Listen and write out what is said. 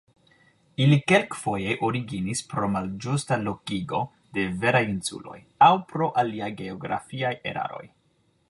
Ili kelkfoje originis pro malĝusta lokigo de veraj insuloj, aŭ pro aliaj geografiaj eraroj.